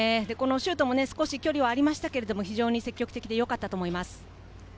シュートも少し距離はありましたが、積極的でよかったと思います。